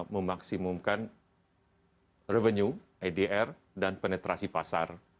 memaksimumkan revenue edr dan penetrasi pasar